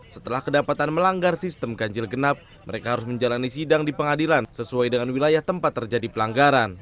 setelah kedapatan melanggar sistem ganjil genap mereka harus menjalani sidang di pengadilan sesuai dengan wilayah tempat terjadi pelanggaran